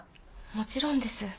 もちろんです。